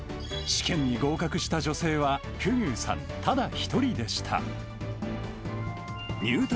試験に合格した女性は久々宇さんただ一人でした。